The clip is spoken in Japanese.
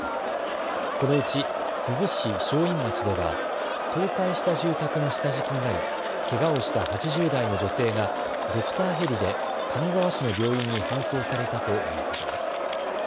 このうち珠洲市正院町では倒壊した住宅の下敷きになりけがをした８０代の女性がドクターヘリで金沢市の病院に搬送されたということです。